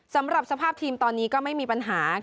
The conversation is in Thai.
สำหรับสภาพทีมตอนนี้ก็ไม่มีปัญหา